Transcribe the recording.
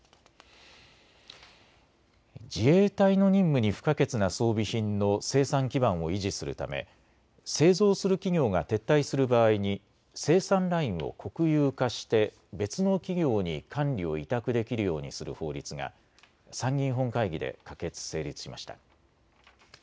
自衛隊の任務に不可欠な装備品の生産基盤を維持するため製造する企業が撤退する場合に生産ラインを国有化して別の企業に管理を委託できるようにする法律が参議院本会議で可決・成立しました。